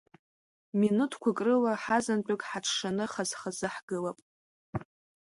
Минуҭқәак рыла ҳазынтәык ҳаҽшаны, хаз-хазы ҳгылан…